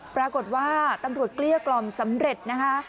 ปรากฏว่าตำรวจเกลี้ยกล่อมสำเร็จนะคะ